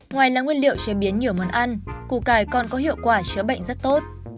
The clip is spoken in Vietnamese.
ngoài là nguyên liệu chế biến nhiều món ăn củ cải còn có hiệu quả chữa bệnh rất tốt